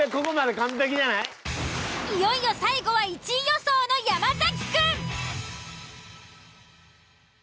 いよいよ最後は１位予想の山崎くん。